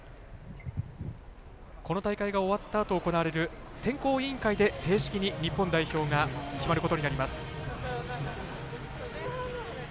この大会が終わったあと行われる選考委員会で正式に日本代表が決まることになります。